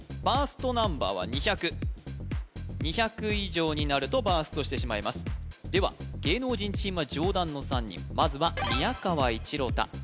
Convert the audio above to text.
バーストナンバーは２００２００以上になるとバーストしてしまいますでは芸能人チームは上段の３人まずは宮川一朗太